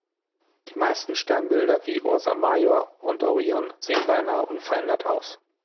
Die meisten Sternbilder wie Ursa Major und Orion sehen beinahe unverändert aus.